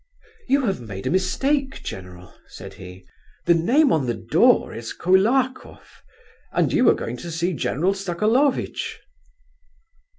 "You have made a mistake, general," said he. "The name on the door is Koulakoff, and you were going to see General Sokolovitch."